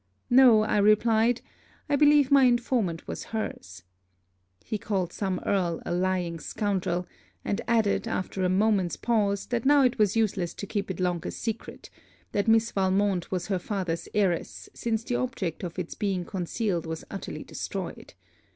'No,' I replied, 'I believe my informant was her's.' He called some Earl a lying scoundrel; and added, after a moment's pause, that now it was useless to keep it longer secret, that Miss Valmont was her father's heiress, since the object of its being concealed was utterly destroyed.